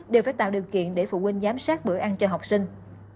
đều phải tạo điều kiện để phụ huynh giám sát bữa ăn cho học sinh